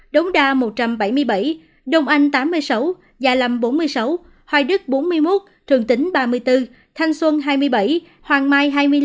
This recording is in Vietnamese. đống đa một trăm bảy mươi bảy đông anh tám mươi sáu gia lâm bốn mươi sáu hoài đức bốn mươi một trường tính ba mươi bốn thanh xuân hai mươi bảy hoàng mai hai mươi năm